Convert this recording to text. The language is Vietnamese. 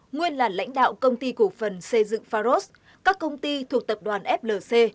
nguyên là lãnh đạo công ty cổ phần xây dựng pharos các công ty thuộc tập đoàn flc